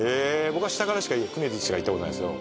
僕は下からしか船でしか行ったことないんですよ